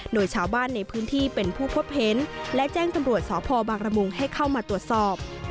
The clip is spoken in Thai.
โดยชาวบ้านในพื้นที่เป็นผู้พบเห็นและแจ้งตำรวจสพบางระมุงให้เข้ามาตรวจสอบ